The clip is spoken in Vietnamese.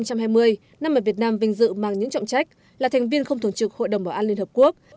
năm mà việt nam vinh dự mang những trọng trách là thành viên không thường trực hội đồng bảo an liên hợp quốc